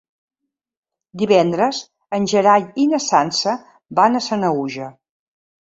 Divendres en Gerai i na Sança van a Sanaüja.